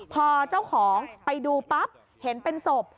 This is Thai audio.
พอเจ้าของไปดูปั๊บเห็นเป็นศพ